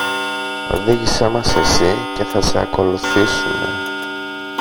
Οδήγησε μας εσύ και θα σε ακολουθήσομε!